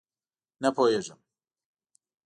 _نه پوهېږم.